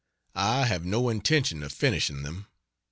I have no intention of finishing them.